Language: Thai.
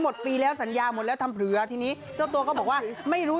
หมดปีแล้วสัญญาหมดแล้วทำเผลอทีนี้เจ้าตัวก็บอกว่าไม่รู้